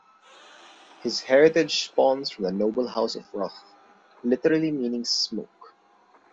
His heritage spawns from the noble house of "Rauch" literally meaning 'Smoke'.